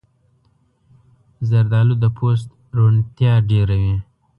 زردالو د پوست روڼتیا ډېروي.